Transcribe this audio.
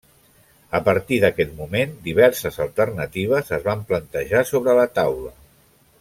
A partir d'aquest moment, diverses alternatives es van plantejar sobre la taula.